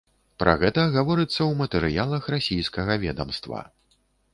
Пра гэта гаворыцца ў матэрыялах расійскага ведамства.